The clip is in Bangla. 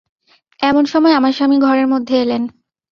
এমন সময় আমার স্বামী ঘরের মধ্যে এলেন।